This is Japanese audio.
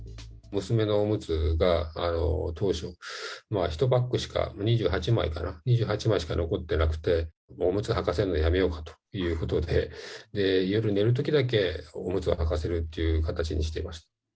娘のおむつが当初１パックしか、２８枚かな、２８枚しか残ってなくて、おむつはかせるのやめようかということで、夜寝るときだけおむつをはかせるっていう形にしてました。